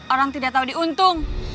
orang tidak tahu diuntung